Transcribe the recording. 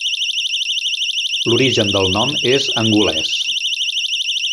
L'origen del nom és angolès.